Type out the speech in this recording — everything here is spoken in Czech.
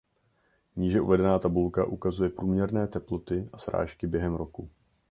Níže uvedená tabulka ukazuje průměrné teploty a srážky během roku.